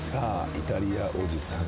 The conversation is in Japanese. イタリアおじさん